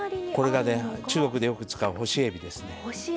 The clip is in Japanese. これが中国でよく使う干しえびですね。